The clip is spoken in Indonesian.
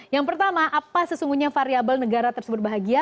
yang pertama apa sesungguhnya variable negara tersebut bahagia